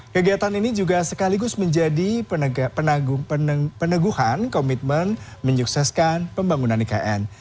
kegiatan ini juga sekaligus menjadi peneguhan komitmen menyukseskan pembangunan ikn